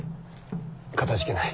かたじけない。